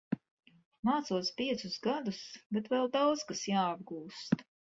Mācos piecus gadus, bet vēl daudz kas jāapgūst.